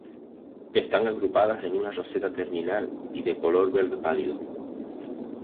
Están agrupadas en una roseta terminal y son de color verde pálido.